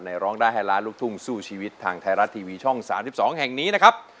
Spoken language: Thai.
ร้องได้ให้ล้านลูกทุ่งสู้ชีวิตทางไทยรัฐทีวีช่อง๓๒แห่งนี้นะครับ